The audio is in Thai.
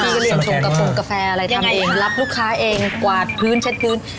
ก็เรียกชงกระโปรงกาแฟอะไรทำเองรับลูกค้าเองกวาดพื้นเช็ดพื้น